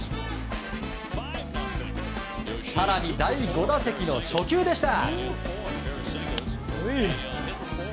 更に第５打席の初球でした。